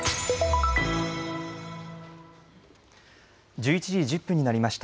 １１時１０分になりました。